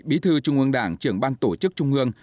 bí thư trung ương đảng trưởng ban tổ chức trung ương